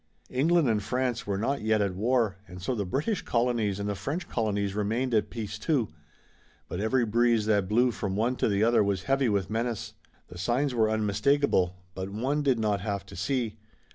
England and France were not yet at war, and so the British colonies and the French colonies remained at peace too, but every breeze that blew from one to the other was heavy with menace. The signs were unmistakable, but one did not have to see.